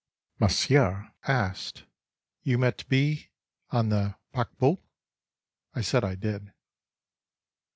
Monsieur asked: "You met B—— on the paquebot?" I said I did.